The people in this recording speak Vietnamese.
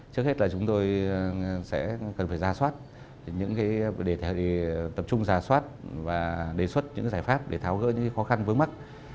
trước hết là chúng tôi sẽ cần phải gia soát tập trung gia soát và đề xuất những giải pháp để tháo gỡ những khó khăn vớ mắc